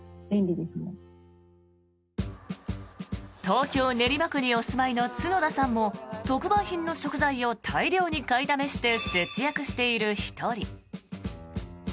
東京・練馬区にお住まいの角田さんも特売品の食材を大量に買いだめして節約している１人。